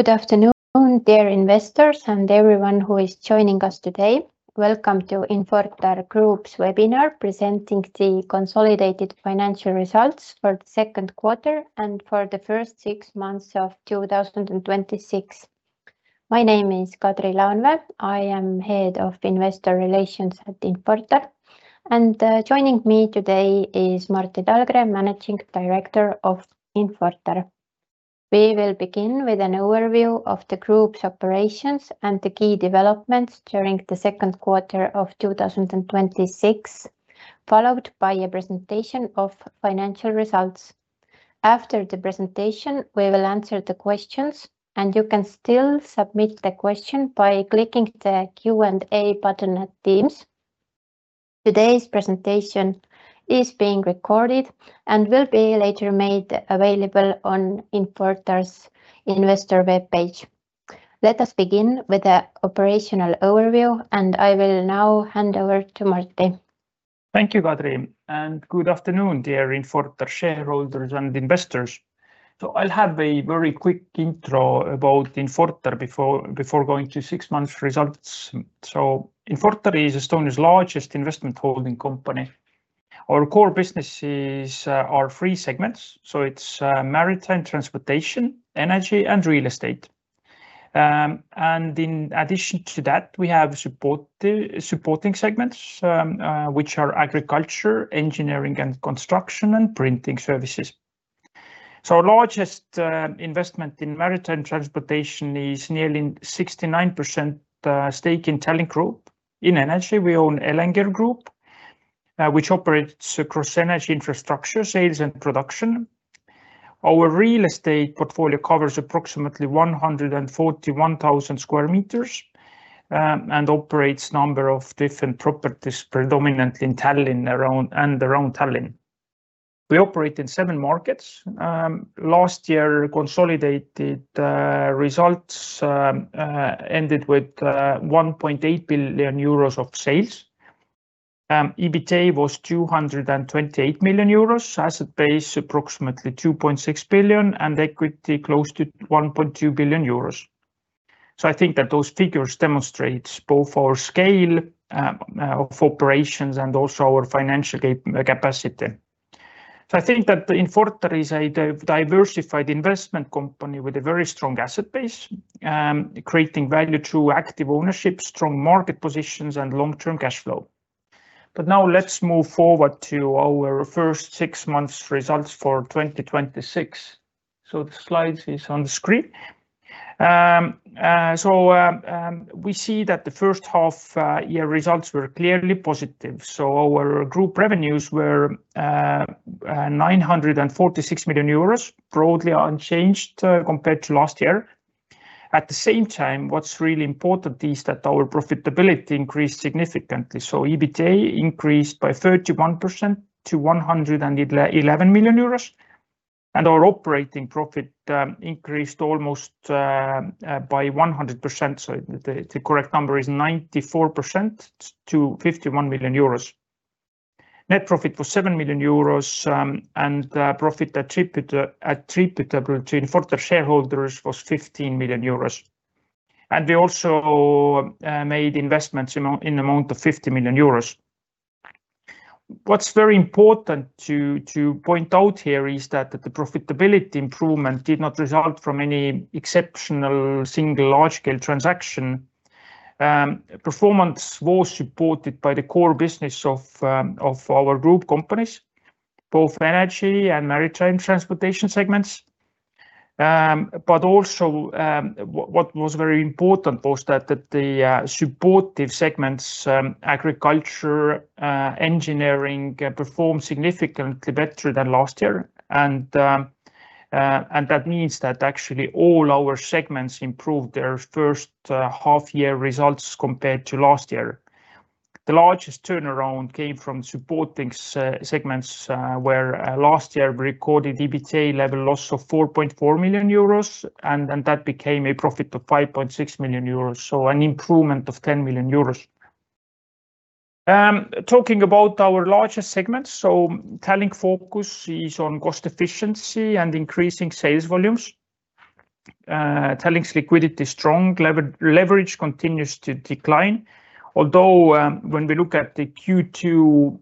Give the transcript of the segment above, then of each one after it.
Good afternoon, dear investors and everyone who is joining us today. Welcome to Infortar Group's webinar presenting the consolidated financial results for the second quarter and for the first six months of 2026. My name is Kadri Laanvee. I am Head of Investor Relations at Infortar, and joining me today is Martti Talgre, Managing Director of Infortar. We will begin with an overview of the group's operations and the key developments during the second quarter of 2026, followed by a presentation of financial results. After the presentation, we will answer the questions, and you can still submit the question by clicking the Q&A button at Teams. Today's presentation is being recorded and will be later made available on Infortar's investor webpage. Let us begin with the operational overview. I will now hand over to Martti. Thank you, Kadri. Good afternoon, dear Infortar shareholders and investors. I'll have a very quick intro about Infortar before going to six months results. Infortar is Estonia's largest investment holding company. Our core businesses are three segments. It's maritime transportation, energy, and real estate. In addition to that, we have supporting segments, which are agriculture, engineering and construction, and printing services. Our largest investment in maritime transportation is nearly 69% stake in Tallink Grupp. In energy, we own Elenger Grupp, which operates across energy infrastructure, sales, and production. Our real estate portfolio covers approximately 141,000 sq m, and operates number of different properties, predominantly in Tallinn and around Tallinn. We operate in seven markets. Last year, consolidated results ended with 1.8 billion euros of sales. EBITDA was 228 million euros. Asset base, approximately 2.6 billion, and equity close to 1.2 billion euros. I think that those figures demonstrate both our scale of operations and also our financial capacity. I think that Infortar is a diversified investment company with a very strong asset base, creating value through active ownership, strong market positions, and long-term cash flow. Now let's move forward to our first six months results for 2026. The slide is on the screen. We see that the first half year results were clearly positive. Our group revenues were 946 million euros, broadly unchanged compared to last year. At the same time, what's really important is that our profitability increased significantly. EBITDA increased by 31% to 111 million euros, and our operating profit increased almost by 100%. The correct number is 94% to 51 million euros. Net profit was 7 million euros. Profit attributable to Infortar shareholders was 15 million euros. We also made investments in amount of 50 million euros. What's very important to point out here is that the profitability improvement did not result from any exceptional single large-scale transaction. Performance was supported by the core business of our group companies, both energy and maritime transportation segments. Also, what was very important was that the supportive segments, agriculture, engineering, performed significantly better than last year, and that means that actually all our segments improved their first half year results compared to last year. The largest turnaround came from supporting segments, where last year we recorded EBITDA level loss of 4.4 million euros, and that became a profit of 5.6 million euros. An improvement of 10 million euros. Talking about our largest segments, Tallink's focus is on cost efficiency and increasing sales volumes. Tallink's liquidity is strong. Leverage continues to decline. When we look at the Q2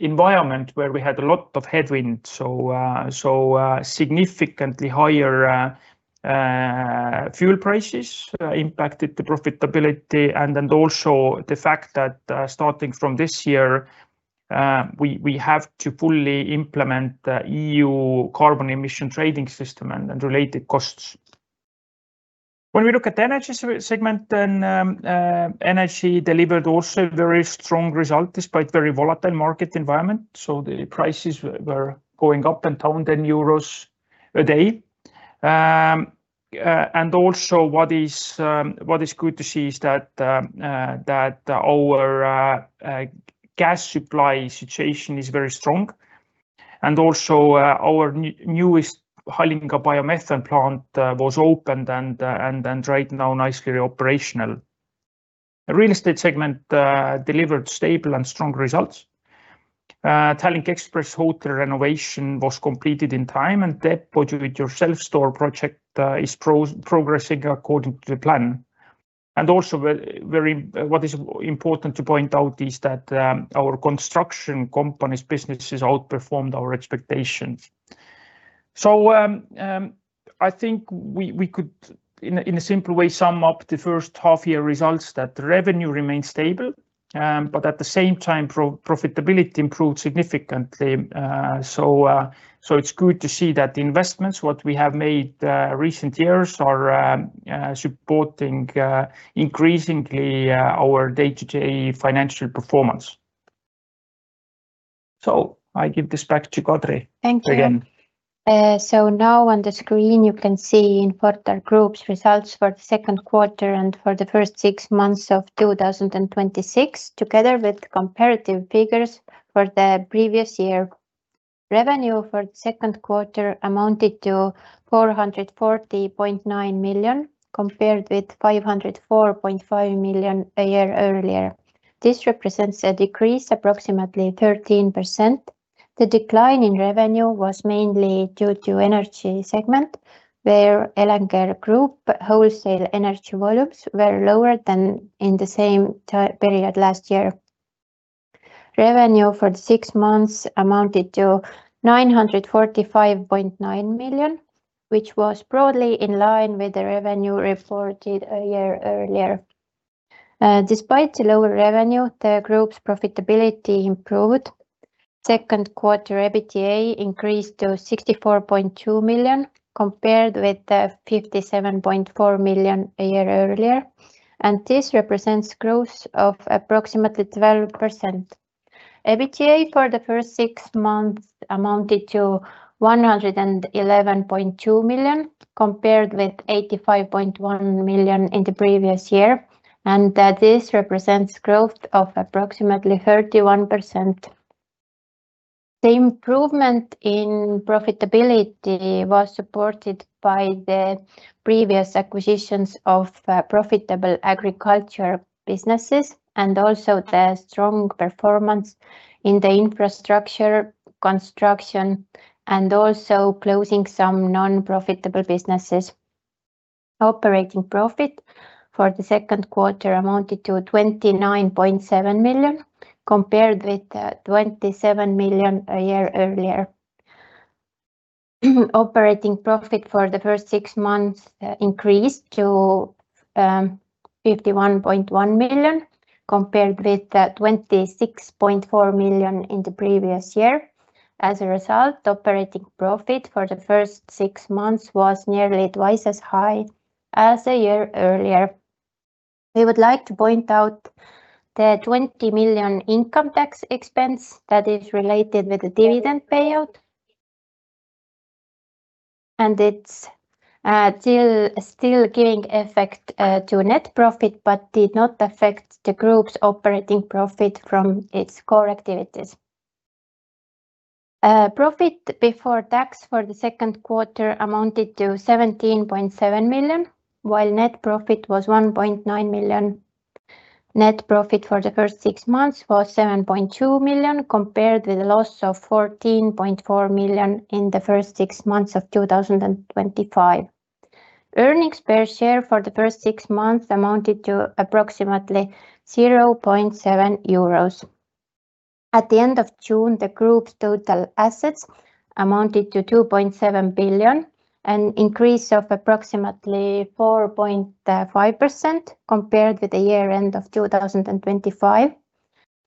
environment where we had a lot of headwind, significantly higher fuel prices impacted the profitability and also the fact that starting from this year, we have to fully implement the European Union Emissions Trading System and related costs. When we look at energy segment, energy delivered also very strong result despite very volatile market environment. The prices were going up and down 10 euros a day. Also what is good to see is that our gas supply situation is very strong, and also our newest Halinga biomethane plant was opened and right now nicely operational. The real estate segment delivered stable and strong results. Tallink Express Hotel renovation was completed on time and the DEPO store project is progressing according to plan. Also, what is important to point out is that our construction company's business has outperformed our expectations. I think we could, in a simple way, sum up the first half-year results that the revenue remains stable, but at the same time, profitability improved significantly. It's good to see that the investments that we have made recent years are supporting increasingly our day-to-day financial performance. I give this back to Kadri again. Thank you. Now on the screen, you can see Infortar Group's results for the second quarter and for the first six months of 2026, together with comparative figures for the previous year. Revenue for the second quarter amounted to 440.9 million, compared with 504.5 million a year earlier. This represents a decrease approximately 13%. The decline in revenue was mainly due to energy segment, where Elenger Grupp wholesale energy volumes were lower than in the same period last year. Revenue for the six months amounted to 945.9 million, which was broadly in line with the revenue reported a year earlier. Despite the lower revenue, the group's profitability improved. Second quarter EBITDA increased to 64.2 million, compared with the 57.4 million a year earlier, and this represents growth of approximately 12%. EBITDA for the first six months amounted to 111.2 million, compared with 85.1 million in the previous year, and this represents growth of approximately 31%. The improvement in profitability was supported by the previous acquisitions of profitable agriculture businesses and also the strong performance in the infrastructure construction, and also closing some non-profitable businesses. Operating profit for the second quarter amounted to 29.7 million, compared with 27 million a year earlier. Operating profit for the first six months increased to 51.1 million, compared with the 26.4 million in the previous year. As a result, operating profit for the first six months was nearly twice as high as a year earlier. We would like to point out the 20 million income tax expense that is related with the dividend payout, and it's still giving effect to net profit but did not affect the group's operating profit from its core activities. Profit before tax for the second quarter amounted to 17.7 million, while net profit was 1.9 million. Net profit for the first six months was 7.2 million, compared with a loss of 14.4 million in the first six months of 2025. Earnings per share for the first six months amounted to approximately 0.7 euros. At the end of June, the group's total assets amounted to 2.7 billion, an increase of approximately 4.5% compared with the year-end of 2025.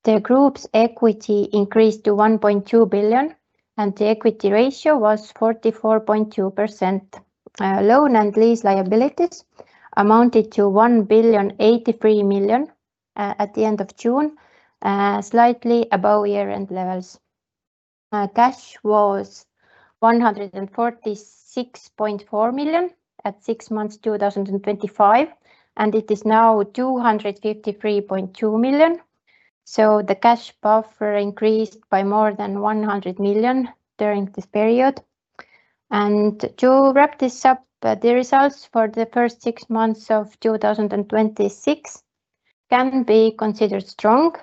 The group's equity increased to 1.2 billion, and the equity ratio was 44.2%. Loan and lease liabilities amounted to 1,083 million at the end of June, slightly above year-end levels. Cash was 146.4 million at six months 2025, and it is now 253.2 million. The cash buffer increased by more than 100 million during this period. To wrap this up, the results for the first six months of 2026 can be considered strong.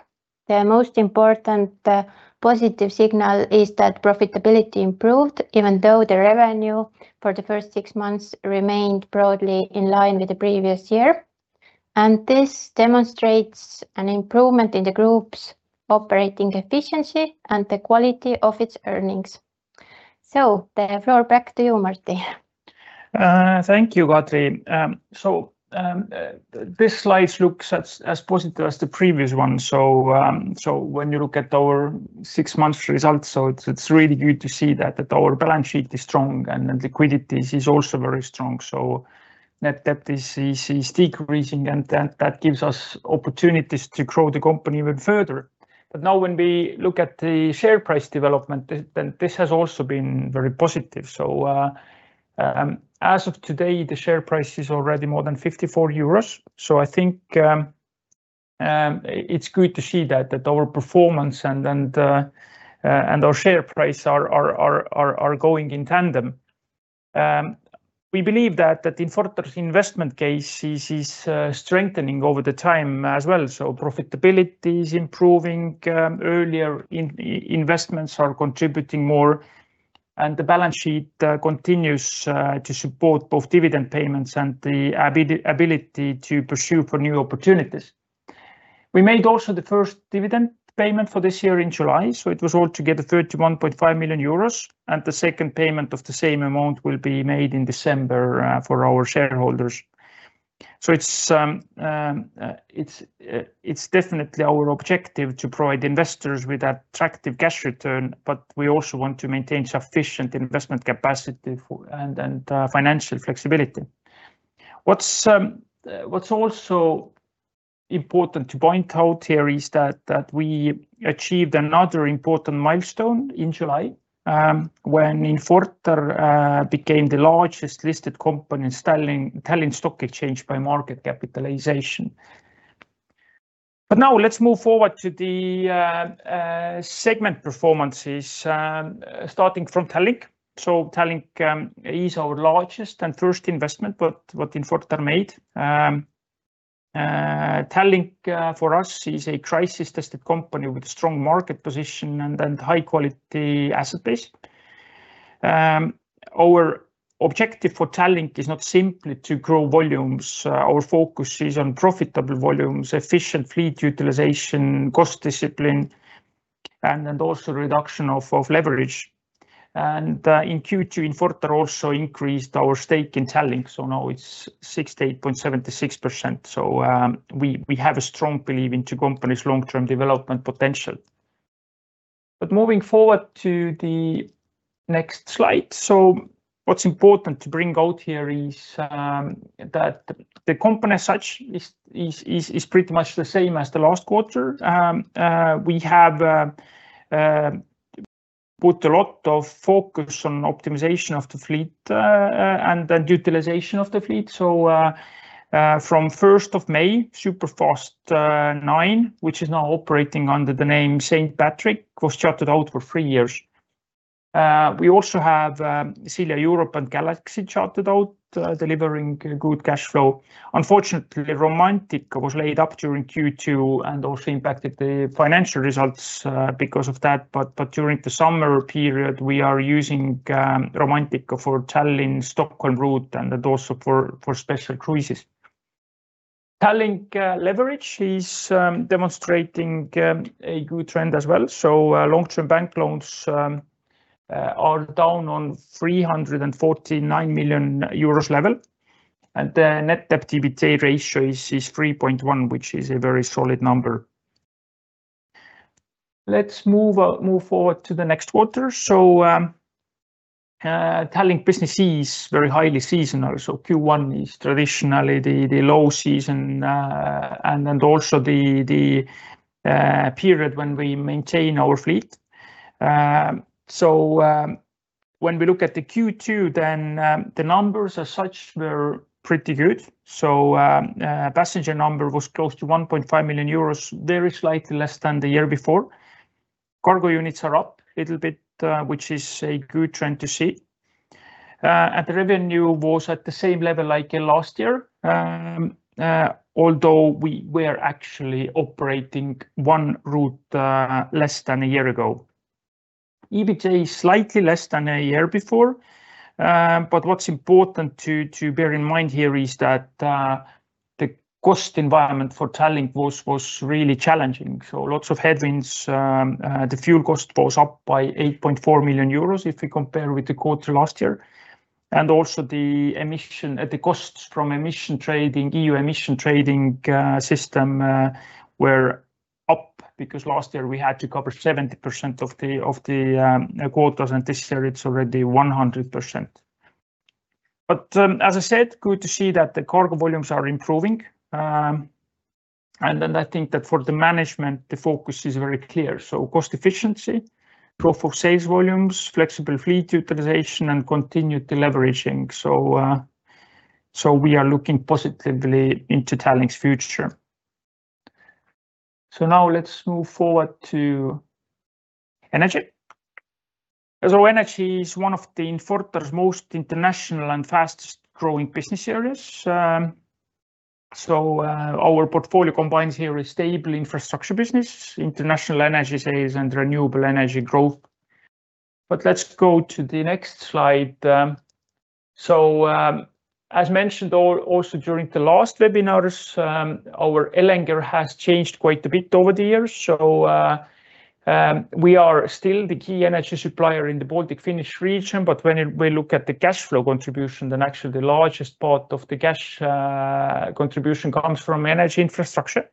The most important positive signal is that profitability improved, even though the revenue for the first six months remained broadly in line with the previous year. This demonstrates an improvement in the group's operating efficiency and the quality of its earnings. The floor back to you, Martti. Thank you, Kadri. These slides look as positive as the previous ones. When you look at our six months results, it's really good to see that our balance sheet is strong and liquidity is also very strong. Net debt is decreasing, and that gives us opportunities to grow the company even further. Now when we look at the share price development, this has also been very positive. As of today, the share price is already more than 54 euros. I think it's good to see that our performance and our share price are going in tandem. We believe that Infortar's investment case is strengthening over the time as well. Profitability is improving, earlier investments are contributing more, and the balance sheet continues to support both dividend payments and the ability to pursue for new opportunities. We made also the first dividend payment for this year in July, it was altogether 31.5 million euros. The second payment of the same amount will be made in December for our shareholders. It's definitely our objective to provide investors with attractive cash return, but we also want to maintain sufficient investment capacity and financial flexibility. What's also important to point out here is that we achieved another important milestone in July, when Infortar became the largest listed company in Tallinn Stock Exchange by market capitalization. Now let's move forward to the segment performances, starting from Tallink. Tallink is our largest and first investment that Infortar made. Tallink for us is a crisis-tested company with strong market position and high-quality asset base. Our objective for Tallink is not simply to grow volumes. Our focus is on profitable volumes, efficient fleet utilization, cost discipline, and also reduction of leverage. In Q2, Infortar also increased our stake in Tallink, now it's 68.76%. We have a strong belief into company's long-term development potential. Moving forward to the next slide. What's important to bring out here is that the company as such is pretty much the same as the last quarter. We have put a lot of focus on optimization of the fleet, and then utilization of the fleet. From 1st of May, Superfast IX, which is now operating under the name St Patrick, was chartered out for three years. We also have Silja Europa and Galaxy chartered out, delivering good cash flow. Unfortunately, Romantika was laid up during Q2 and also impacted the financial results because of that. During the summer period, we are using Romantika for Tallink Stockholm route and also for special cruises. Tallink leverage is demonstrating a good trend as well. Long-term bank loans are down on 349 million euros level, and the net debt to EBITDA ratio is 3.1, which is a very solid number. Let's move forward to the next quarter. Tallink business is very highly seasonal. Q1 is traditionally the low season, and also the period when we maintain our fleet. When we look at the Q2, the numbers as such were pretty good. Passenger number was close to 1.5 million euros, very slightly less than the year before. Cargo units are up a little bit, which is a good trend to see. The revenue was at the same level like last year, although we were actually operating one route less than a year ago. EBITDA slightly less than a year before. What's important to bear in mind here is that the cost environment for Tallink was really challenging. Lots of headwinds. The fuel cost was up by 8.4 million euros if we compare with the quarter last year. Also the costs from emission trading, EU Emissions Trading System, were up because last year we had to cover 70% of the quotas, and this year it's already 100%. As I said, good to see that the cargo volumes are improving. Then I think that for the management, the focus is very clear. Cost efficiency, growth of sales volumes, flexible fleet utilization, and continued deleveraging. We are looking positively into Tallink's future. Now let's move forward to energy. Energy is one of Infortar's most international and fastest-growing business areas. Our portfolio combines here a stable infrastructure business, international energy sales, and renewable energy growth. Let's go to the next slide. As mentioned also during the last webinars, our Elenger has changed quite a bit over the years. We are still the key energy supplier in the Baltic-Finnish region, but when we look at the cash flow contribution, then actually the largest part of the cash contribution comes from energy infrastructure,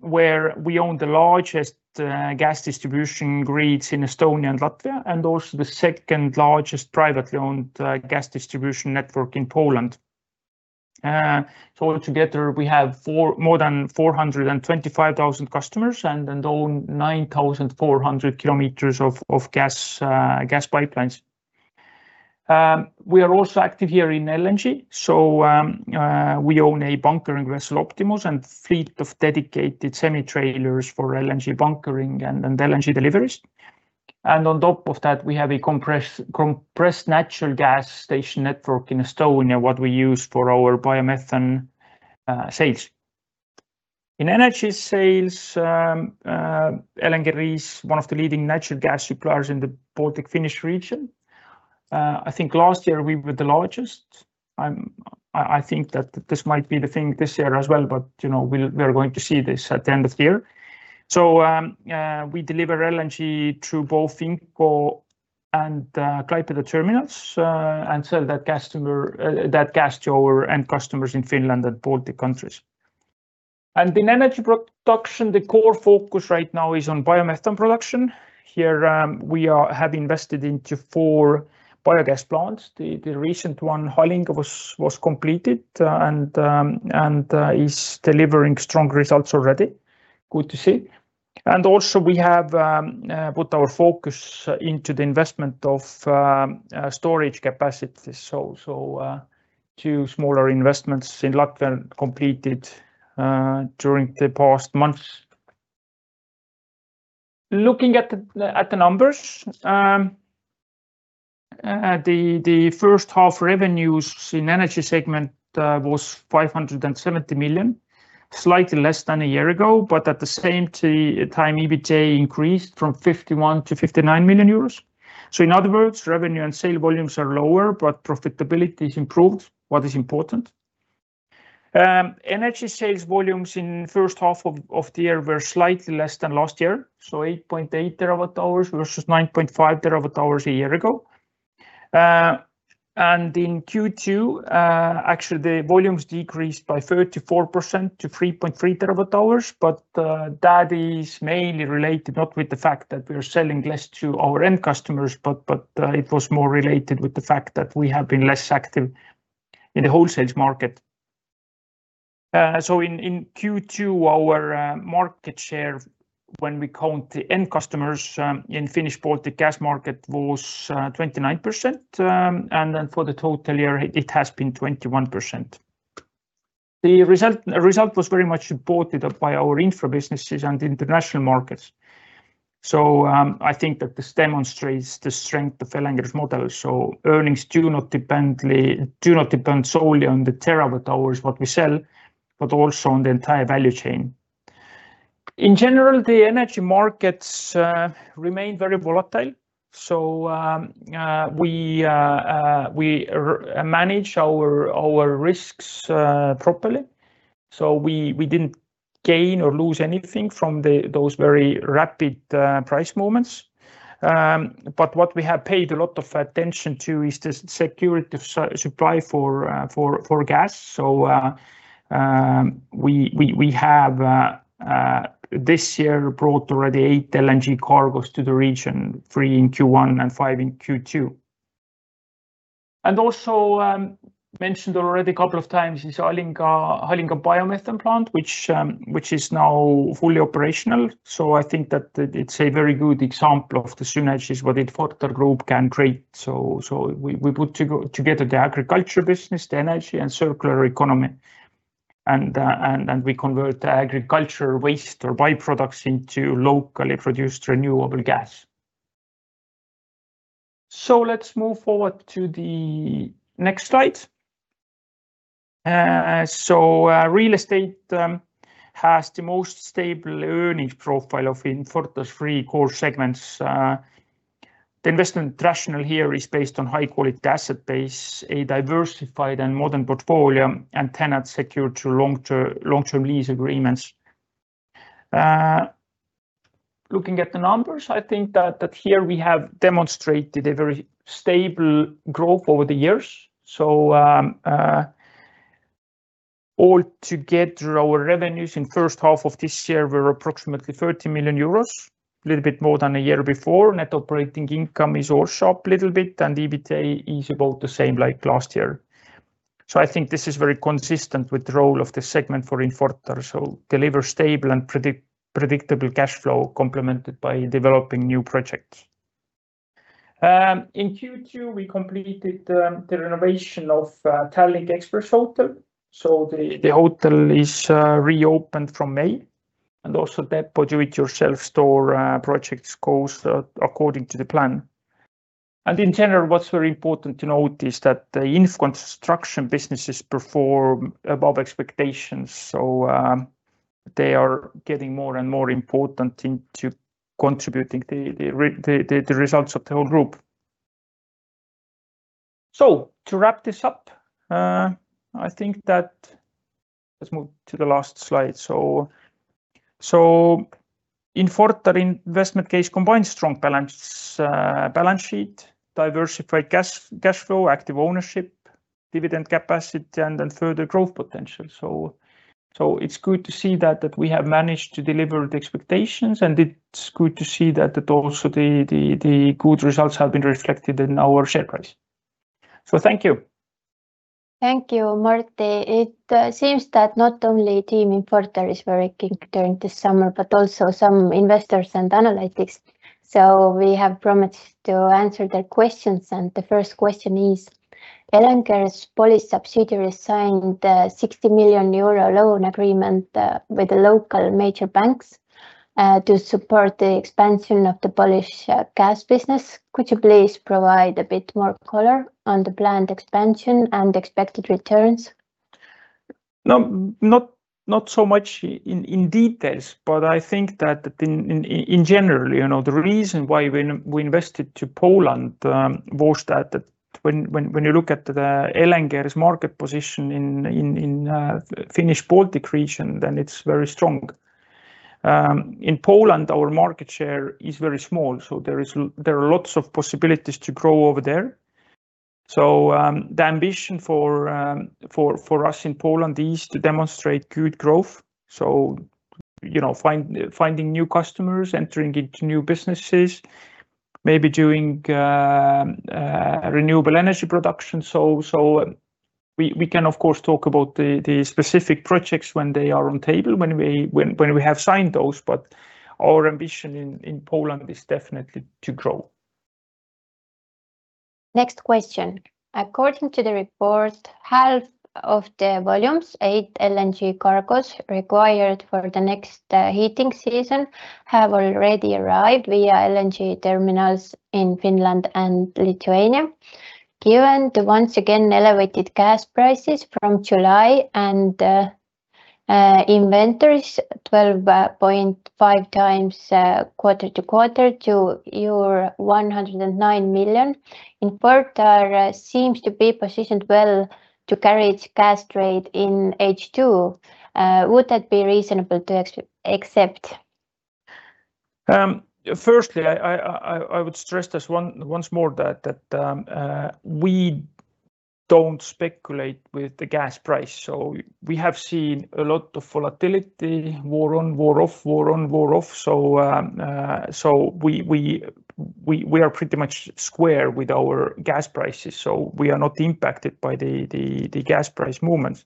where we own the largest gas distribution grids in Estonia and Latvia, and also the second-largest privately owned gas distribution network in Poland. Altogether we have more than 425,000 customers and own 9,400 km of gas pipelines. We are also active here in LNG, we own a bunkering vessel, Optimus, and fleet of dedicated semi-trailers for LNG bunkering and LNG deliveries. On top of that, we have a compressed natural gas station network in Estonia, what we use for our biomethane sales. In energy sales, Elenger is one of the leading natural gas suppliers in the Baltic Finnish region. I think last year we were the largest. I think that this might be the thing this year as well, but we are going to see this at the end of the year. We deliver LNG through both Inkoo and Klaipėda terminals and sell that gas to our end customers in Finland and Baltic countries. In energy production, the core focus right now is on biomethane production. Here we have invested into four biogas plants. The recent one, Halinga, was completed and is delivering strong results already. Good to see. Also we have put our focus into the investment of storage capacities. Two smaller investments in Latvia completed during the past months. Looking at the numbers, the first half revenues in energy segment was 570 million, slightly less than a year ago, but at the same time, EBITDA increased from 51 million to 59 million euros. In other words, revenue and sale volumes are lower, but profitability is improved, what is important. Energy sales volumes in first half of the year were slightly less than last year, 8.8 TWh versus 9.5 TWh a year ago. In Q2, actually the volumes decreased by 34% to 3.3 TWh, but that is mainly related not with the fact that we are selling less to our end customers, but it was more related with the fact that we have been less active in the wholesale market. In Q2, our market share when we count the end customers in Finnish-Baltic gas market was 29%, and then for the total year it has been 21%. The result was very much supported by our infra businesses and international markets. I think that this demonstrates the strength of Elenger's model. Earnings do not depend solely on the terawatt-hours, what we sell, but also on the entire value chain. In general, the energy markets remain very volatile. We manage our risks properly. We didn't gain or lose anything from those very rapid price movements. What we have paid a lot of attention to is the security of supply for gas. We have this year brought already eight LNG cargoes to the region, three in Q1 and five in Q2. Also mentioned already a couple of times is Halinga biomethane plant, which is now fully operational. I think that it's a very good example of the synergies what Infortar Group can create. We put together the agriculture business, the energy and circular economy, and we convert agriculture waste or byproducts into locally produced renewable gas. Let's move forward to the next slide. Real estate has the most stable earnings profile of Infortar three core segments. The investment rationale here is based on high quality asset base, a diversified and modern portfolio, and tenant secured to long-term lease agreements. Looking at the numbers, I think that here we have demonstrated a very stable growth over the years. All together, our revenues in first half of this year were approximately 30 million euros, little bit more than a year before. Net operating income is also up a little bit, and EBITDA is about the same like last year. I think this is very consistent with the role of the segment for Infortar. Deliver stable and predictable cash flow complemented by developing new projects. In Q2, we completed the renovation of Tallink Express Hotel. The hotel is reopened from May. Also DEPO do-it-yourself store projects goes according to the plan. In general, what's very important to note is that the Infortar construction businesses perform above expectations. They are getting more and more important into contributing the results of the whole group. To wrap this up, I think that. Let's move to the last slide. Infortar investment case combines strong balance sheet, diversified cash flow, active ownership, dividend capacity, and then further growth potential. It's good to see that we have managed to deliver the expectations. It's good to see that also the good results have been reflected in our share price. Thank you. Thank you, Martti. It seems that not only team Infortar is working during the summer, but also some investors and analysts. We have promised to answer their questions, and the first question is, "Elenger's Polish subsidiary signed a 60 million euro loan agreement with the local major banks to support the expansion of the Polish gas business. Could you please provide a bit more color on the planned expansion and expected returns? Not so much in details, but I think that in general, the reason why we invested to Poland, was that when you look at the Elenger's market position in Finnish-Baltic gas market, then it's very strong. In Poland, our market share is very small, so there are lots of possibilities to grow over there. The ambition for us in Poland is to demonstrate good growth, so finding new customers, entering into new businesses, maybe doing renewable energy production. We can, of course, talk about the specific projects when they are on the table, when we have signed those, but our ambition in Poland is definitely to grow. Next question. "According to the report, half of the volumes, eight LNG cargoes required for the next heating season have already arrived via LNG terminals in Finland and Lithuania. Given the once again elevated gas prices from July, and inventories 12.5 times quarter-to-quarter to 109 million, Infortar seems to be positioned well to carry its gas trade in H2. Would that be reasonable to accept? Firstly, I would stress this once more that we don't speculate with the gas price. We have seen a lot of volatility, war on, war off. We are pretty much square with our gas prices. We are not impacted by the gas price movements.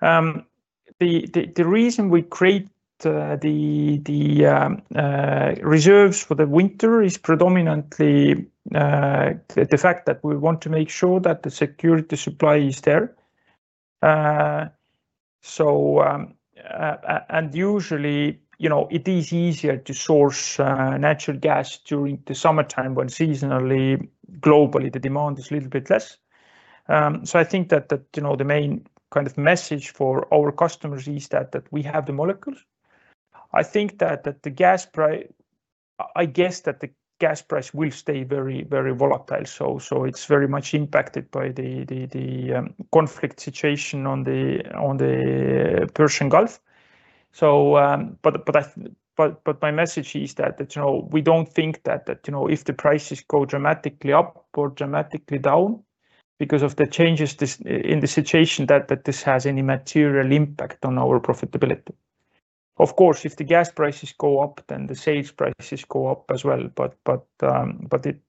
The reason we create the reserves for the winter is predominantly the fact that we want to make sure that the security supply is there. Usually, it is easier to source natural gas during the summertime when seasonally, globally, the demand is a little bit less. I think that the main message for our customers is that we have the molecules. I guess that the gas price will stay very volatile. It's very much impacted by the conflict situation on the Persian Gulf. My message is that we don't think that if the prices go dramatically up or dramatically down because of the changes in the situation, that this has any material impact on our profitability. Of course, if the gas prices go up, the sales prices go up as well. It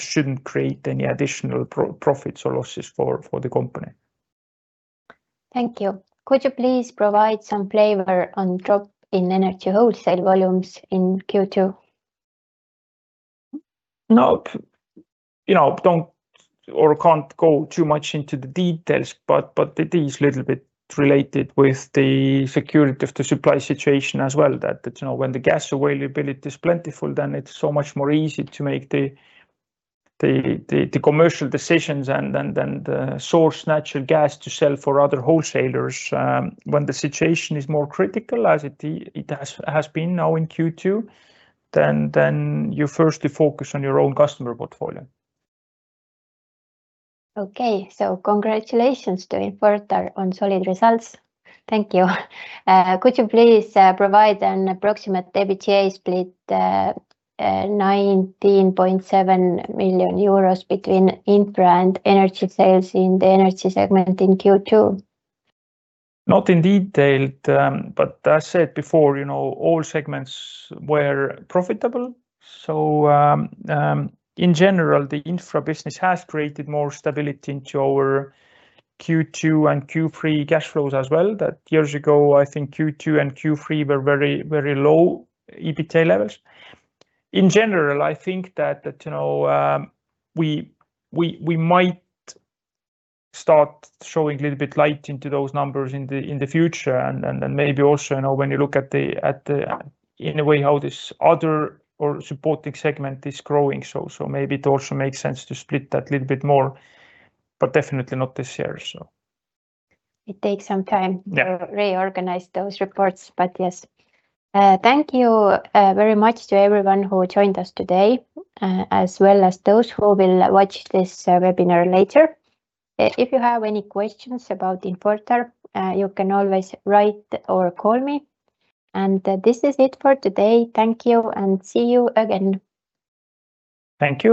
shouldn't create any additional profits or losses for the company. Thank you. Could you please provide some flavor on drop in energy wholesale volumes in Q2? Can't go too much into the details, but it is little bit related with the security of the supply situation as well, that when the gas availability is plentiful, then it is so much more easy to make the commercial decisions and the source natural gas to sell for other wholesalers. When the situation is more critical as it has been now in Q2, then you firstly focus on your own customer portfolio. Okay. Congratulations to Infortar on solid results. Thank you. Could you please provide an approximate EBITDA split, 19.7 million euros between infra and energy sales in the energy segment in Q2? Not in detail, but as I said before, all segments were profitable. In general, the infra business has created more stability into our Q2 and Q3 cash flows as well. That years ago, I think Q2 and Q3 were very low EBITDA levels. In general, I think that we might start showing a little bit light into those numbers in the future. Maybe also when you look at, in a way, how this other or supporting segment is growing, maybe it also makes sense to split that a little bit more, but definitely not this year. It takes some time. Yeah to reorganize those reports. Yes. Thank you very much to everyone who joined us today, as well as those who will watch this webinar later. If you have any questions about Infortar, you can always write or call me. This is it for today. Thank you and see you again. Thank you.